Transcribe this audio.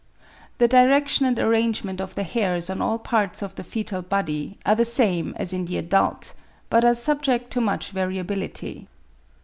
The direction and arrangement of the hairs on all parts of the foetal body are the same as in the adult, but are subject to much variability.